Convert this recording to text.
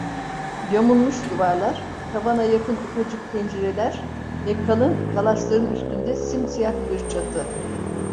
Yamulmuş duvarlar, tavana yakın ufacık pencereler ve kalın kalasların üstünde simsiyah bir çatı…